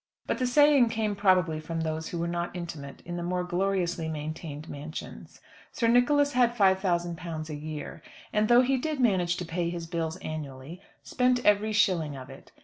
But the saying came probably from those who were not intimate in the more gloriously maintained mansions. Sir Nicholas had £5000 a year, and though he did manage to pay his bills annually, spent every shilling of it.